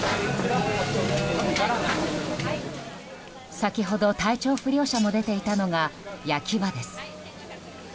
先ほど体調不良者も出ていたのが焼き場です。